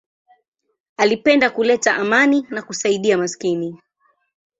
Alipenda kuleta amani na kusaidia maskini.